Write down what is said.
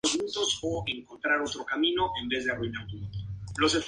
Por esto, se formó una fosa y no una cordillera.